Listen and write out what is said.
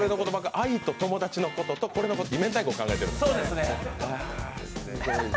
愛と友達のことと明太子のことを考えてるんだ。